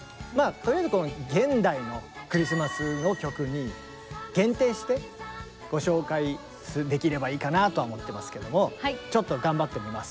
とりあえずこの現代のクリスマスの曲に限定してご紹介できればいいかなとは思ってますけどもちょっと頑張ってみます。